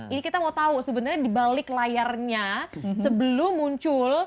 ini kita mau tahu sebenarnya di balik layarnya sebelum muncul